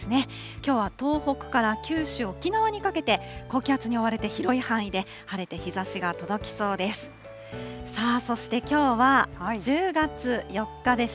きょうは東北から九州、沖縄にかけて、高気圧に覆われて、広い範囲で晴れて、日ざしが届きそうです。